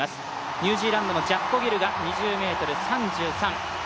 ニュージーランドのジャッコ・ギルが２０ｍ３３。